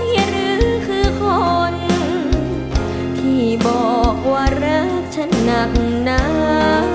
หรือคือคนที่บอกว่ารักฉันหนักหนา